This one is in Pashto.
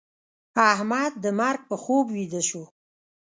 احمد د مرګ په خوب ويده شو.